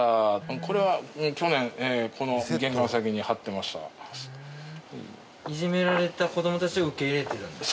これは去年この玄関先に貼ってましたいじめられた子どもたちを受け入れてるんですか